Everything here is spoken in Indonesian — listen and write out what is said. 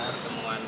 bapak saya mau jawab